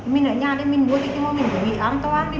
mình ở nhà đấy mình mua cái gì mà mình có nghĩ an toàn